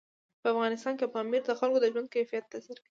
په افغانستان کې پامیر د خلکو د ژوند په کیفیت تاثیر کوي.